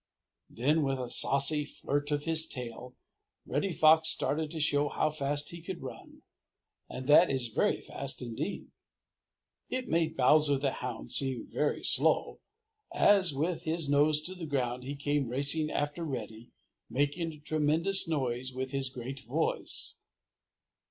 Then, with a saucy flirt of his tail, Reddy Fox started to show how fast he could run, and that is very fast indeed. It made Bowser the Hound seem very slow, as, with his nose to the ground, he came racing after Reddy, making a tremendous noise with his great voice.